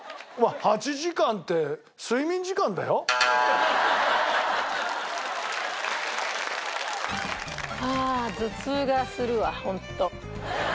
８時間って睡眠時間だよ。はあ頭痛がするわホント。